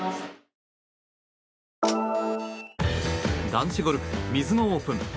男子ゴルフミズノオープン。